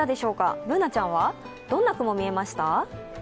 Ｂｏｏｎａちゃんは、どんな雲が見えました？